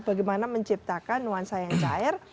bagaimana menciptakan nuansa yang cair